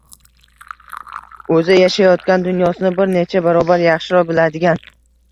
– o‘zi yashayotgan dunyosini bir necha barobar yaxshiroq biladigan